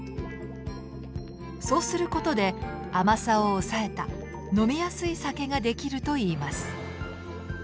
そうすることで甘さを抑えた飲みやすい酒が出来るといいます。